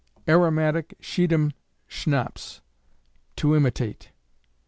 _Aromatic Schiedam Schnapps, to imitate.